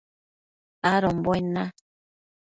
adombuen na